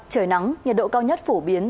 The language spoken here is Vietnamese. trời nắng nhiệt độ cao nhất phổ biến